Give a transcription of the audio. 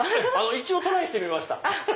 一応トライしてみました